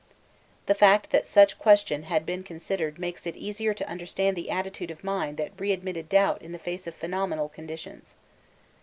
The fact that such question had been considered makes it easier to understand the attitude of mind that readmitted doubt in the face of phenomenal conditions.